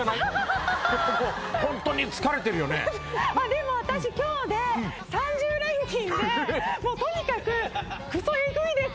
でも私今日で３０連勤でとにかくくそえぐいです。